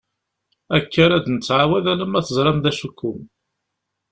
Akka ara d-nettɛawad alamma teẓram d acu-kum.